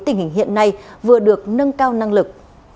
tình hình hiện nay vừa được nâng cao năng lực